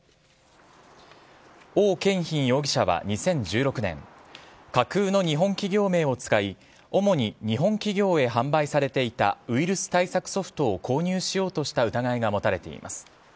王けんひん容疑者は２０１６年、架空の日本企業名を使い、主に日本企業へ販売されていたウイルス対策ソフトを購入しようとした疑いが持たれています。